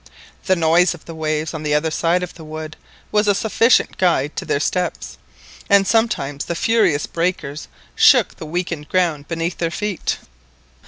The noise of the waves on the other side of the wood was a sufficient guide to their steps, and sometimes the furious breakers shook the weakened ground beneath their feet.